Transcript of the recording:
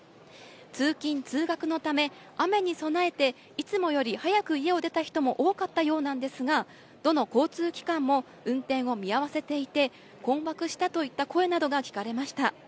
通勤・通学のため雨に備えて、いつもより早く家を出た人も多かったようなんですが、どの交通機関も運転を見合わせていて困惑したといった声などが聞かれました。